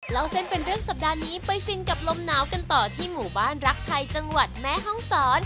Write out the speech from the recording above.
เล่าเส้นเป็นเรื่องสัปดาห์นี้ไปฟินกับลมหนาวกันต่อที่หมู่บ้านรักไทยจังหวัดแม่ห้องศร